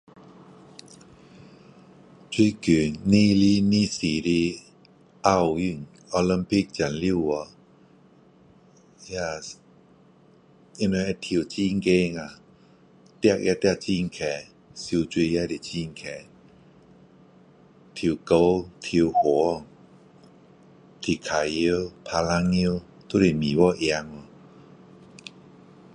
最近的2024的奥运 Olympic 刚完那个他们会跳很高跑也跑很快游泳也很快跳高跳远踢足球打篮球都是美国赢